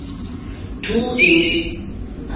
Tǔ èŋɡê.